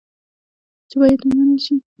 چې باید ومنل شي.